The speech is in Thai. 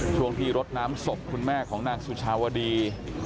ช่วงที่รดน้ำศพคุณแม่ของนางสุชาวดี